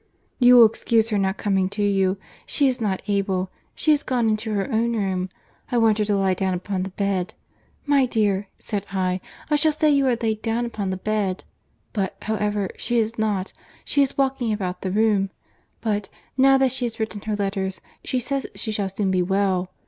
You will excuse her not coming to you—she is not able—she is gone into her own room—I want her to lie down upon the bed. 'My dear,' said I, 'I shall say you are laid down upon the bed:' but, however, she is not; she is walking about the room. But, now that she has written her letters, she says she shall soon be well.